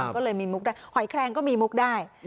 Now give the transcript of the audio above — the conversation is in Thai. ก็เลยมีมุกได้หอยแคลงก็มีมุกได้